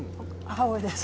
母親です。